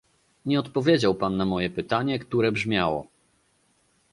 Nie odpowiedział pan na moje pytanie, które brzmiało